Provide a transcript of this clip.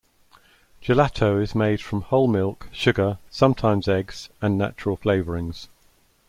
Gelato is made from whole milk, sugar, sometimes eggs, and natural flavourings.